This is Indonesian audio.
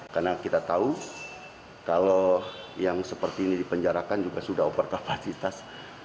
karena kita tahu kalau yang seperti ini dipenjarakan juga sudah over kapasitas